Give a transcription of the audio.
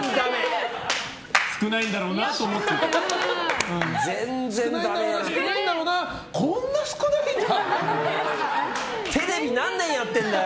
少ないんだろうなって思ってましたよ。